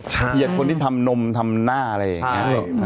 เกียรติคนที่ทำนมทำหน้าอะไรอย่างนี้